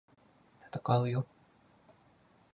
闘うよ！！